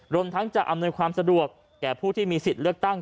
รวมทั้งจะอำนวยความสะดวกแก่ผู้ที่มีสิทธิ์เลือกตั้ง